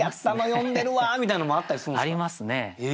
ありますね。